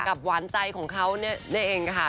หวานใจของเขาเนี่ยเองค่ะ